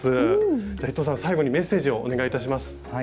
じゃ伊藤さん最後にメッセージをお願いいたします。